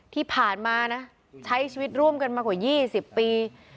ที่ผ่านมานะใช้ชีวิตร่วมกันมากว่า๒๐ปี